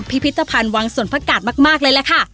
พิพิธภัณฑ์วังส่วนพระกาศมากเลยล่ะค่ะ